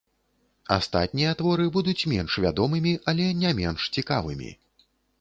Астатнія творы будуць менш вядомымі, але не менш цікавымі.